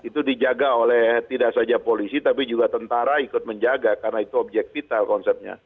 itu dijaga oleh tidak saja polisi tapi juga tentara ikut menjaga karena itu objek vital konsepnya